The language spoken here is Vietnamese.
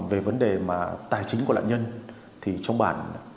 về vấn đề tài chính của lạn nhân